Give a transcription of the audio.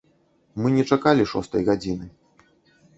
Мы не чакалі шостай гадзіны.